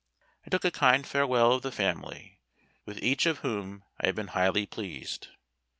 I took a kind farewell of the family, with each of whom I had been highly pleased.